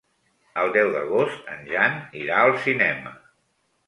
El deu d'agost en Jan irà al cinema.